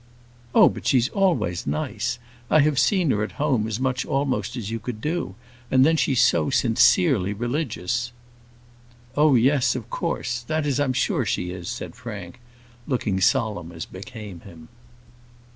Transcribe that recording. "Oh, but she's always nice. I have seen her at home as much almost as you could do; and then she's so sincerely religious." "Oh, yes, of course; that is, I am sure she is," said Frank, looking solemn as became him.